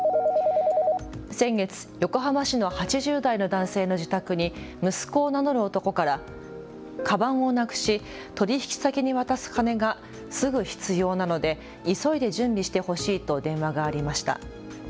先月、横浜市の８０代の男性の自宅に息子を名乗る男からかばんをなくし、取引先に渡す金がすぐ必要なので急いで準備してほしいと電話がありました。